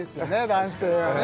男性はね